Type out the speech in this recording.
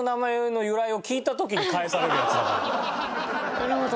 なるほど。